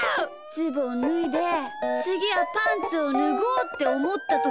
ズボンぬいでつぎはパンツをぬごうっておもったときに。